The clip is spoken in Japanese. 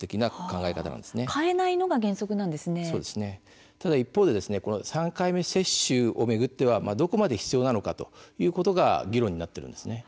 ただ一方で３回目接種を巡ってはどこまで必要なのかということが議論になっているんです。